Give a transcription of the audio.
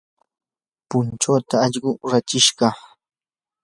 punchuuta allqu rachishqa.